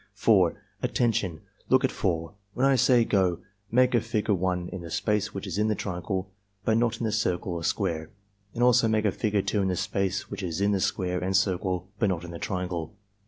4. "Attention! Look at 4. When I say 'go' make a figure 1 in the space which is in the triangle but not in the circle or square, and also make a figure 2 in the space which is in the square and circle, but not in the triangle.